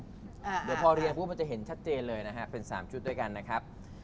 เดี๋ยวพอเรียงปุ๊บมันจะเห็นชัดเจนเลยนะฮะเป็น๓ชุดด้วยกันนะครับ